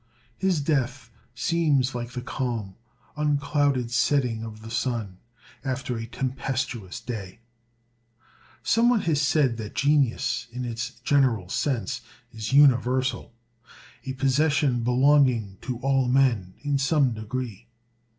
His death seems like the calm, unclouded setting of the sun, after a tempestuous day. Some one has said that genius, in its general sense, is universal; a possession belonging to all men, in some degree.